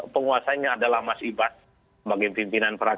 penguasanya adalah mas ibas sebagai pimpinan fraksi